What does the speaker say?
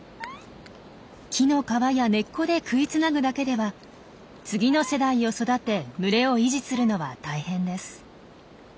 木の皮や根っこで食いつなぐだけでは次の世代を育て群れを維持するのは大変です。